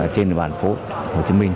trên địa bàn phố hồ chí minh